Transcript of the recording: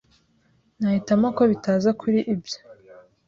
Nahitamo ko bitaza kuri ibyo.